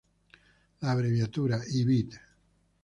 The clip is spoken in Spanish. La abreviatura "ibíd.